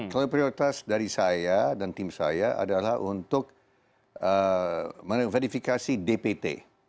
kalau prioritas dari saya dan tim saya adalah untuk verifikasi dpt